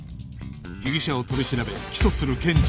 被疑者を取り調べ起訴する検事